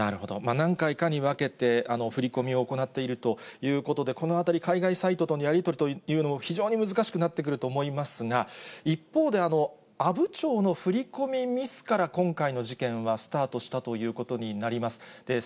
何回かに分けて、振り込みを行っているということで、このあたり、海外サイトとのやり取りというのも非常に難しくなってくると思いますが、一方で、阿武町の振り込みミスから今回の事件はスタートしたということになります。